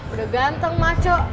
udah ganteng maco